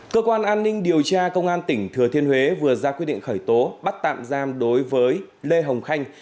cơ quan an ninh điều tra công an tỉnh thừa thiên huế vừa ra quyết định khởi tố bắt tạm giam đối với lê hồng khanh